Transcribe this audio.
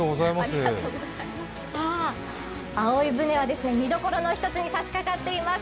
さあ、葵舟は見どころの一つに差しかかっています。